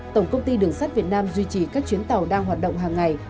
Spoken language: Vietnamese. tổng công ty đường sắt việt nam duy trì các chuyến tàu đang hoạt động hàng ngày